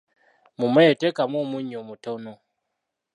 Mu mmere teekamu omunnyu mutono.